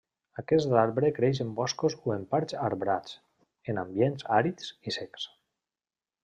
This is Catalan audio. Aquest arbre creix en boscos o en prats arbrats, en ambients àrids i secs.